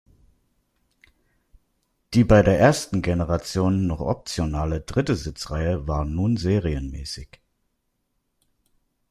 Die bei der ersten Generation noch optionale dritte Sitzreihe war nun serienmäßig.